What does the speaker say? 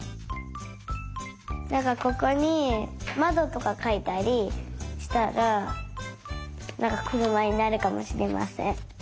なんかここにまどとかかいたりしたらなんかくるまになるかもしれません。